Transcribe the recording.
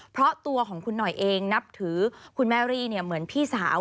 เพราะตัวของคุณหน่อยเองนับถือคุณแม่รี่เหมือนพี่สาว